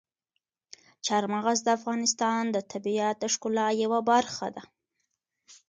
چار مغز د افغانستان د طبیعت د ښکلا یوه برخه ده.